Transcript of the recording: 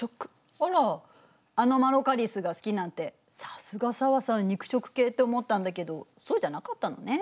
あらアノマロカリスが好きなんて「さすが紗和さん肉食系」って思ったんだけどそうじゃなかったのね。